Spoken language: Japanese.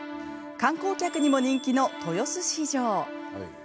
観光客にも人気の豊洲市場。